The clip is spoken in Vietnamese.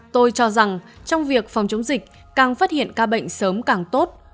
tôi cho rằng trong việc phòng chống dịch càng phát hiện ca bệnh sớm càng tốt